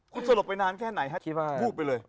คุณสลบไปนานแค่ไหนครับ